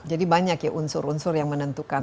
jadi banyak ya unsur unsur yang menentukan